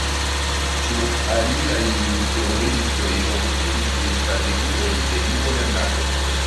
Ĉu aliaj lud-teoriistoj okupiĝis pri strategioj de lingvolernado?